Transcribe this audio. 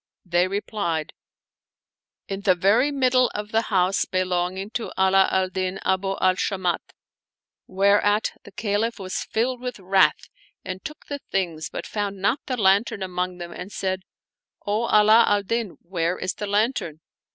" They replied, " In the very middle of the house belonging to Ala al Din Abu al Shamat," whereat the Caliph was filled with wrath and took the things, but found not the lantern among them and said, " O Ala al Din, where is the lantern